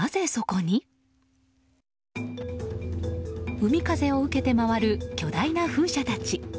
海風を受けて回る巨大な風車たち。